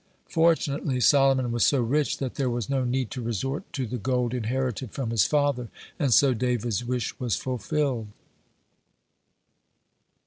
Fortunately Solomon was so rich that there was no need to resort to the gold inherited from his father, and so David's wish was fulfilled.